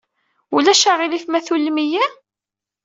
Ulac aɣilif ma tullem-iyi?